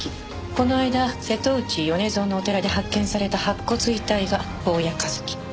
この間瀬戸内米蔵のお寺で発見された白骨遺体が坊谷一樹。